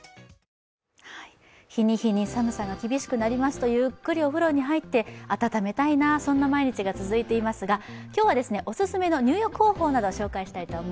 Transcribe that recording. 日に日に寒さが厳しくなりますとゆっくりお風呂に入って、温めたいな、そんな毎日が続いていますが今日は、オススメの入浴方法などを紹介します。